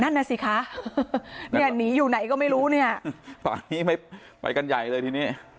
นั่นน่ะสิคะเนี่ยหนีอยู่ไหนก็ไม่รู้เนี่ยตอนนี้ไม่ไปกันใหญ่เลยทีนี้